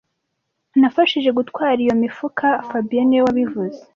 Nafashije gutwara iyo mifuka fabien niwe wabivuze